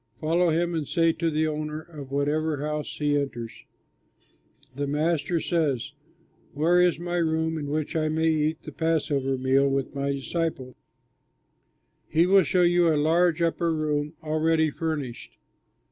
Follow him and say to the owner of whatever house he enters, 'The Master says, Where is my room in which I may eat the passover meal with my disciples?' He will show you a large upper room already furnished.